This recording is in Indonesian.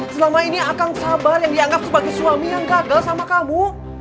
selama ini akang sabar yang dianggap sebagai suami yang gagal sama kamu